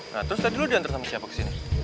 nah terus tadi dulu diantar sama siapa ke sini